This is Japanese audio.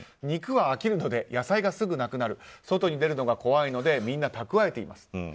肉は飽きるので野菜がすぐなくなる外に出るのが怖いのでみんな蓄えています。